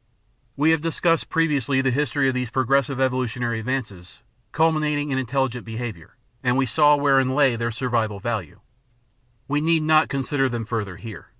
^ We have discussed previously the history of these progressive evolutionary advances, culminating in intelligent behaviour, and we saw wherein lay their survival value. We need not consider them further here.